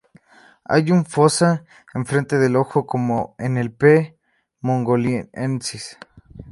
Hay una "fossa" en frente del ojo, como en el "P. mongoliensis".